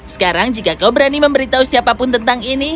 sekarang jika kamu berani memberitahu siapa pun tentang ini